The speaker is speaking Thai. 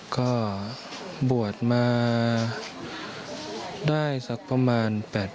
ก็บวชมาได้สักประมาณ๘๐